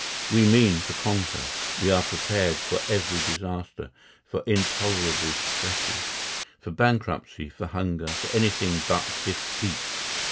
We mean to conquer. We are prepared for every disaster, for intolerable stresses, for bankruptcy, for hunger, for anything but defeat.